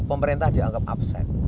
pemerintah dianggap upset